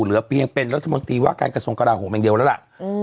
เหลือปียังเป็นรัฐมนตรีว่าการกระทรงกระดาษห่วงแบ่งเดียวแล้วล่ะอืม